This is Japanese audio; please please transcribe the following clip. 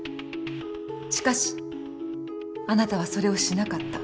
しかしあなたはそれをしなかった。